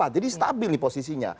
jadi stabil nih posisinya